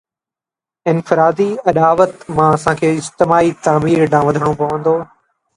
انفرادي اڏاوت مان اسان کي اجتماعي تعمير ڏانهن وڌڻو پوندو.